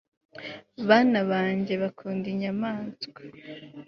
Bana banjye bakunda inyamaswa